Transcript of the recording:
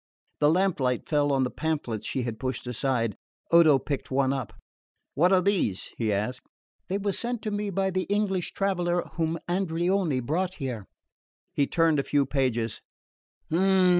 The lamplight fell on the pamphlets she had pushed aside. Odo picked one up. "What are these?" he asked. "They were sent to me by the English traveller whom Andreoni brought here." He turned a few pages.